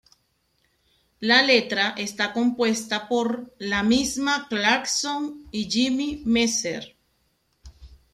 La letra está compuesta por la misma Clarkson y Jimmy Messer.